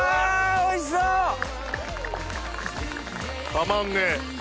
たまんねえ。